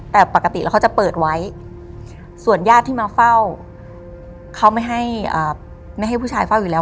แต่ปกติแล้วเขาจะเปิดไว้ส่วนญาติที่มาเฝ้าเขาไม่ให้ไม่ให้ผู้ชายเฝ้าอยู่แล้ว